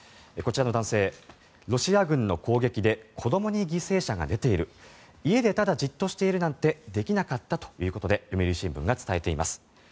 こちらの男性、ロシア軍の攻撃で子どもに犠牲者が出ている家でただじっとしているなんてできなかったということで読売新聞が伝えています。